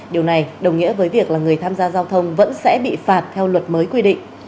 điều này đồng nghĩa với việc là người tham gia giao thông vẫn sẽ bị phạt theo luật mới quy định